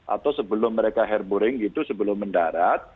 atau sebelum mereka hair boring gitu sebelum mendarat